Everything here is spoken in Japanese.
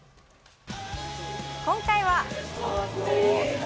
今回は。